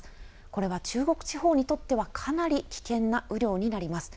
これは中国地方にとってはかなり危険な雨量になります。